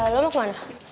lo mau kemana